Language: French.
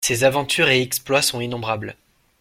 Ses aventures et exploits sont innombrables.